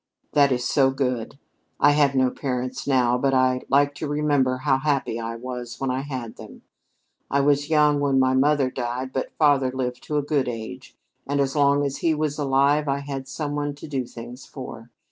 "That is so good! I have no parents now, but I like to remember how happy I was when I had them. I was young when my mother died, but father lived to a good age, and as long as he was alive I had some one to do things for.